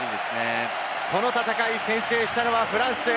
この大会、先制したのはフランス。